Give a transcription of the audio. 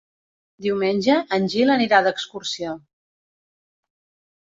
Diumenge en Gil anirà d'excursió.